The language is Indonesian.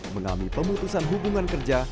mengalami pemutusan hubungan kerja